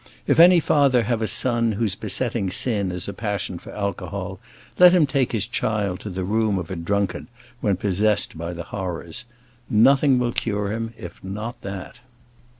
If any father have a son whose besetting sin is a passion for alcohol, let him take his child to the room of a drunkard when possessed by "the horrors." Nothing will cure him if not that.